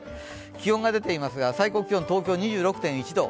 気温が出ていますが最高気温東京２６．１度。